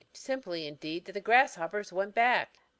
Simply, indeed, that the hoppers went back!